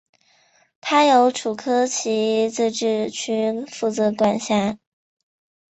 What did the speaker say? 它由楚科奇自治区负责管辖。